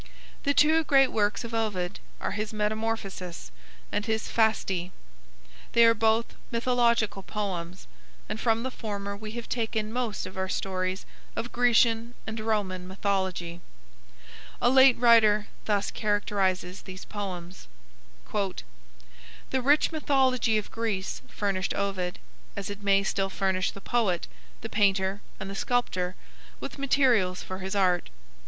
The two great works of Ovid are his "Metamorphoses" and his "Fasti." They are both mythological poems, and from the former we have taken most of our stories of Grecian and Roman mythology. A late writer thus characterizes these poems: "The rich mythology of Greece furnished Ovid, as it may still furnish the poet, the painter, and the sculptor, with materials for his art.